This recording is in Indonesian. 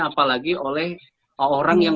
apalagi oleh orang yang